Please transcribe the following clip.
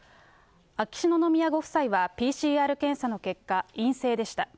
秋篠宮ご夫妻は、ＰＣＲ検査の結果、陰性でした。